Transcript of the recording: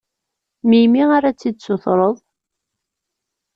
Melmi ara tt-id-sutreḍ?